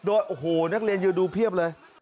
โดยโอ้โหนักเรียนยืนดูเพียบเลย